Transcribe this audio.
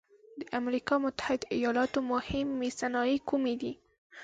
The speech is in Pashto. د امریکا متحد ایلاتو مهمې صنایع کومې دي؟